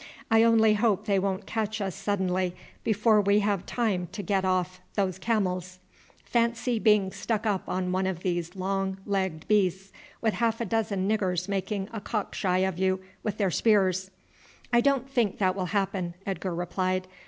I only hope they won't catch us suddenly before we have time to get off those camels. Fancy being stuck up on one of those long legged beasts with half a dozen niggers making a cock shy of you with their spears." "I don't think that will happen," Edgar replied.